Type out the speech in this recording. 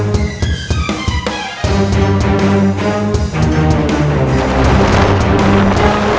dasar pecah kemplung